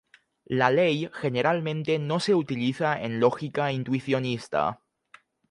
La ley generalmente no se utiliza en lógica intuicionista.